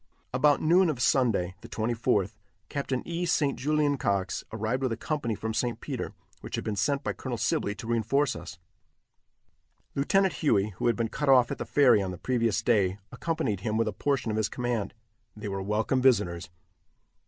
About noon of Sunday, the 24th, Capt. E. St. Julien Cox arrived with a company from St. Peter, which had been sent by Colonel Sibley to reinforce us. Lieutenant Huey, who had been cut off at the ferry on the previous day, accompanied him with a portion of his command. They were welcome visitors.